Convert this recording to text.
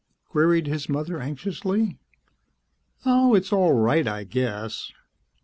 queried his mother anxiously. "Oh ... it's all right, I guess." "...